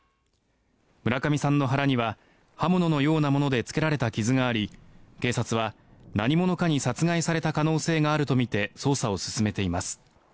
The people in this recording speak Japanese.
村上さんの腹には刃物のようなものでつけられた傷があり警察は、何者かに殺害された可能性があるとみて捜査を進めています。